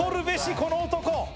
この男。